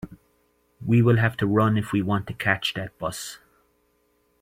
We will have to run if we want to catch that bus.